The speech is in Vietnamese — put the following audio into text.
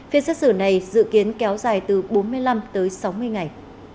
phiên xét xử này dự kiến kéo dài từ bốn mươi năm tới sáu mươi ngày